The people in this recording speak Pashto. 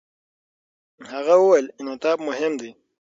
هغه وویل، انعطاف مهم دی.